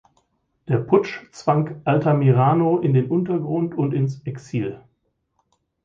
Der Putsch zwang Altamirano in den Untergrund und ins Exil.